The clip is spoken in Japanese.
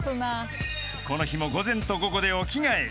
［この日も午前と午後でお着替え］